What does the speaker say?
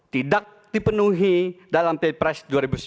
tidak dipenuhi dalam ppres dua ribu sembilan belas